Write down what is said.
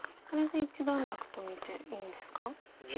これで一段落と見ていいんですか？